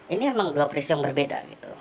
ini memang dua peristiwa yang berbeda